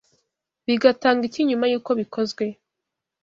bigatanga iki nyuma yuko bikozwe